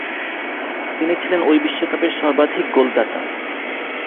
তিনি ছিলেন ঐ বিশ্বকাপের সর্বাধিক গোলদাতা।